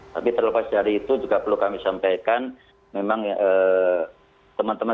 tapi terlepas dari itu juga perlu kami sampaikan memang teman teman